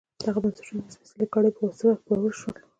دغه بنسټونه د سپېڅلې کړۍ په پروسه کې پیاوړي شول.